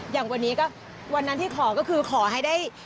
อย่างวันนี้ก็วันนั้นที่ขอก็คือขอให้ได้